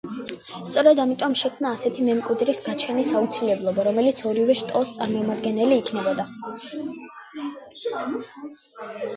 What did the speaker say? სწორედ ამიტომ, შეიქმნა ისეთი მემკვიდრის გაჩენის აუცილებლობა, რომელიც ორივე შტოს წარმომადგენელი იქნებოდა.